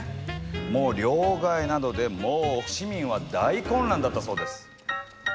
もう両替などでもう市民は大混乱だったそうです。